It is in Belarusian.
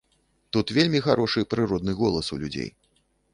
Тут вельмі харошы прыродны голас у людзей.